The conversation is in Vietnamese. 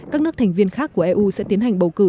các nước thành viên khác của eu sẽ tiến hành bầu cử